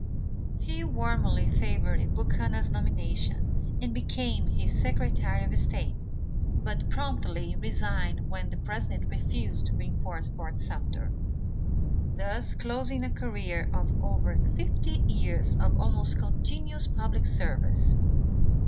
He warmly favored Buchanan's nomination and became his Secretary of State, but promptly resigned when the president refused to reinforce Fort Sumter; thus closing a career of over fifty years of almost continuous public service.